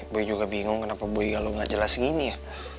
boy juga bingung kenapa boy galau galau gak jelas gini ya